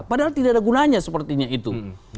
padahal tidak ada gunanya sepertinya itu